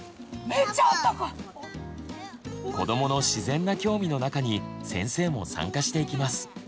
子どもの自然な興味の中に先生も参加していきます。